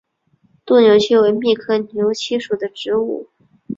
土牛膝为苋科牛膝属的植物。